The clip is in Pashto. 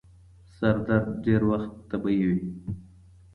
سردرد ډير وخت طبیعي وي.